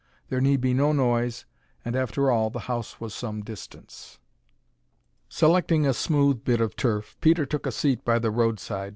There need be no noise, and, after all, the house was some distance. Selecting a smooth bit of turf, Peter took a seat by the road side.